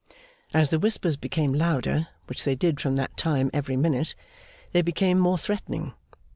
As the whispers became louder, which they did from that time every minute, they became more threatening.